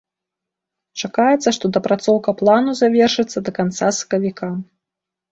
Чакаецца, што дапрацоўка плану завершыцца да канца сакавіка.